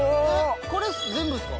これ全部ですか？